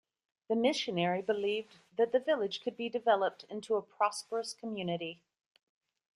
The missionary believed that the village could be developed into a prosperous community.